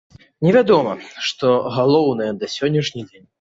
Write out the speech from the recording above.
Невядома, што галоўнае на сённяшні дзень.